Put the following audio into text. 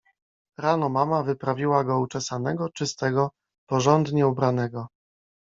Rano mama wyprawiła go uczesanego, czystego, porządnie ubranego.